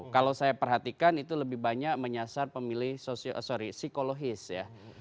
kalau saya perhatikan itu lebih banyak menyasar pemilih psikologis ya